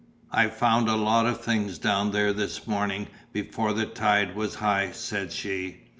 "I found a lot of things down there this morning before the tide was high," said she.